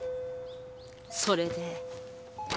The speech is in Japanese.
それで。